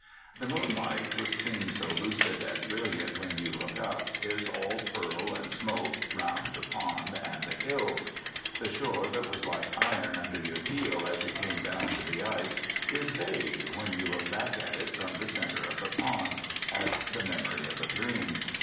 The moonlight, which seems so lucid and brilliant when you look up, is all pearl and smoke round the pond and the hills. The shore that was like iron under your heel as you came down to the ice is vague, when you look back at it from the center of the pond, as the memory of a dream.